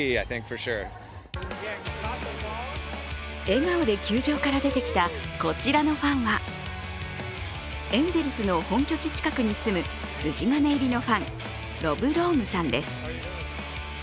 笑顔で球場から出てきたこちらのファンはエンゼルスの本拠地近くに住む筋金入りのファン、ロブ・ロームさんです。